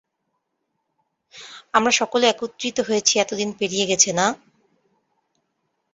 আমরা সকলে একত্রিত হয়েছি কতদিন পেরিয়ে গেছে না?